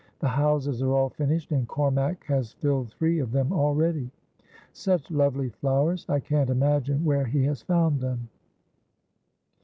The houses are all finished, and Cormack has filled three of them already. Such lovely flowers ! I can't imagine where he has found them.'